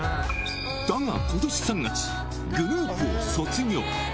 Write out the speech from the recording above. だが、ことし３月、グループを卒業。